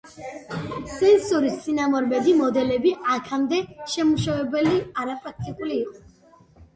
სენსორის წინამორბედი მოდელები, აქამდე შემუშავებული, არაპრაქტიკული იყო.